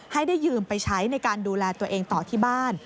ให้ได้ยืมไปใช้ในการดูแลตัวเองต่อที่บ้าน